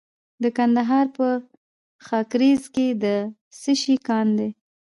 د کندهار په خاکریز کې د څه شي کان دی؟